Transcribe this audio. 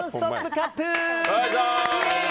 カップ！